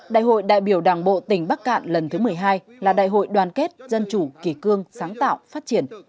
đại hội đại biểu đảng bộ tỉnh bắc cạn lần thứ một mươi hai là đại hội đoàn kết dân chủ kỳ cương sáng tạo phát triển